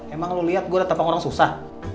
emang lo liat gue udah tampang orang susah